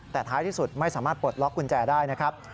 แต่ท้ายที่สุดไม่สามารถปลดล็อกกุญแจได้นะครับ